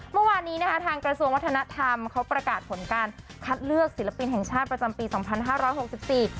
เมื่อวานนี้นะคะทางกระทรวงวัฒนธรรมเขาประกาศผลการคัดเลือกศิลปินแห่งชาติประจำปีสองพันห้าร้อยหกสิบสี่